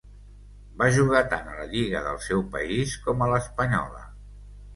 Va jugar tant a la lliga del seu país com a l'espanyola.